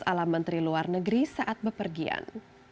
ala menteri luar negeri saat bepergian